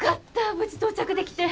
無事到着できて。